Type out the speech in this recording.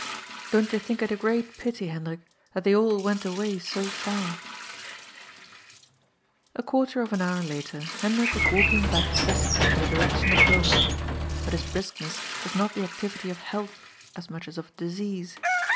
Don't you think it a great pity, Hendrik, that they all went away so f ar ?". A quarter of an hour later Hendrik was walking back briskly in the direction of home. But his briskness was not the activity ol health as much as of disease.